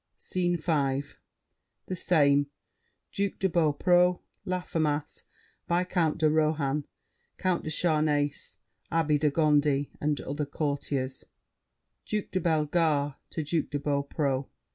SCENE V The same. Duke de Beaupréau, Laffemas, Viscount de Rohan, Count de Charnacé, Abbé de Gondi, and other courtiers DUKE DE BELLEGARDE (to Duke de Beaupréau).